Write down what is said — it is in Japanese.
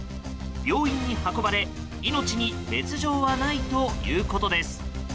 病院に運ばれ命に別条はないということです。